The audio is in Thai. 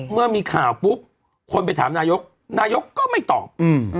เมื่อมีข่าวปุ๊บคนไปถามนายกนายกก็ไม่ตอบ